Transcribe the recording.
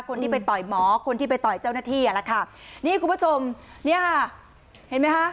คนที่ไปต่อยหมอคนที่ไปต่อยเจ้าหน้าที่อ่ะแหละค่ะนี่คุณผู้ชมเนี่ยค่ะเห็นไหมคะ